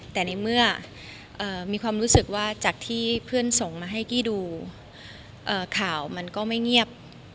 แต่ในเมื่อมีความรู้สึกว่าจากที่เพื่อนส่งมาให้กี้ดูข่าวมันก็ไม่เงียบ